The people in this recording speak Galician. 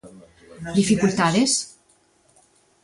¿Dificultades?